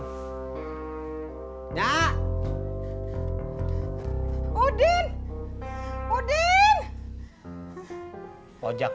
udinya udah berhasil